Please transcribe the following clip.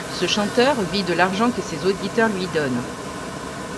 Ce chanteur vit de l'argent que ses auditeurs lui donnent.